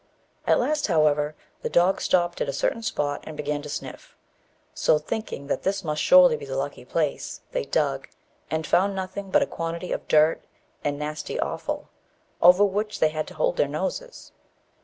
At last, however, the dog stopped at a certain spot, and began to sniff; so, thinking that this must surely be the lucky place, they dug, and found nothing but a quantity of dirt and nasty offal, over which they had to hold their noses.